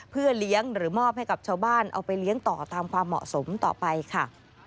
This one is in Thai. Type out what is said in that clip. เพื่อเลี้ยงหรือมอบให้กับชาวบ้านเอาไปเลี้ยงต่อตามความเหมาะสมต่อไปค่ะ